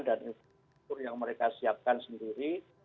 dan yang mereka siapkan sendiri